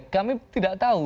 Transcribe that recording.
kami tidak tahu